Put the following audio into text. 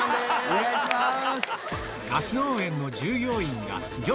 お願いします。